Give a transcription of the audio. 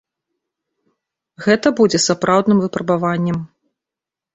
Гэта будзе сапраўдным выпрабаваннем.